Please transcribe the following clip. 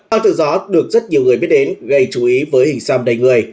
hoàng tử gió được rất nhiều người biết đến gây chú ý với hình xăm đầy người